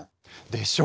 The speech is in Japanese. でしょ！